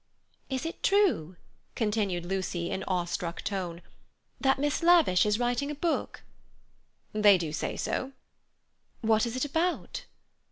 "Is it true," continued Lucy in awe struck tone, "that Miss Lavish is writing a book?" "They do say so." "What is it about?"